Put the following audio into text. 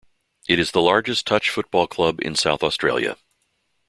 It is the largest touch football club in South Australia.